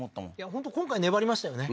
本当今回粘りましたよね